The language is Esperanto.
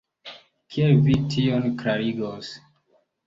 Kiel vi tion klarigos?